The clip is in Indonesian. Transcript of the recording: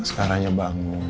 sekarang aja bangun